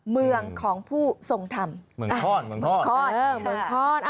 เมืองของผู้ทรงธรรมเมืองท่อนเมืองท่อน